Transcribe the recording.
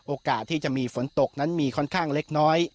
โอกาสที่จะมีฝนตกนั้นมีค่อนข้างเล็กน้อย